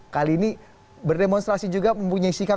kali ini berdemonstrasi juga mempunyai sikap